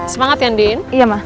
semangat ya din iya ma